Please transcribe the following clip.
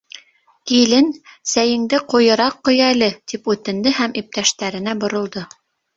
— Килен, сәйеңде ҡуйыраҡ ҡой әле, — тип үтенде һәм иптәштәренә боролдо.